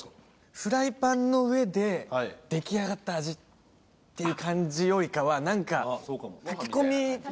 フライパンの上で出来上がった味っていう感じよりかは何か。